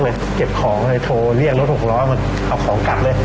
แล้วเก็บของเลยโทรเลี่ยงรถออกน้ำร้อนมันเอาของกลับเลย